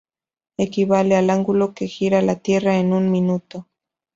Equivale al ángulo que gira la Tierra en un minuto.